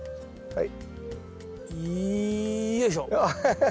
はい。